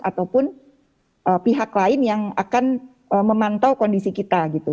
ataupun pihak lain yang akan memantau kondisi kita gitu